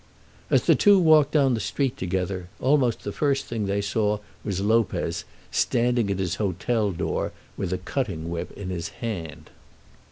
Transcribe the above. As the two walked down the street together, almost the first thing they saw was Lopez standing at his hotel door with a cutting whip in his hand.